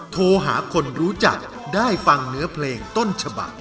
โทรหาคนรู้จักได้ฟังเนื้อเพลงต้นฉบัก